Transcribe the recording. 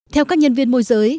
theo các nhân viên môi giới